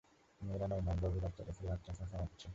মেয়েরা নয় মাস গর্ভে বাচ্চা রেখে লক্ষ টাকা কামাচ্ছে।